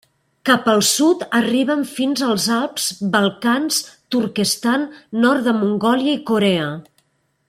Cap al sud arriben fins als Alps, Balcans, Turquestan, nord de Mongòlia i Corea.